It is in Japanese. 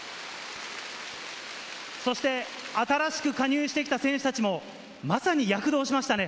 そして新しく加入してきた選手たちもまさに躍動しましたね。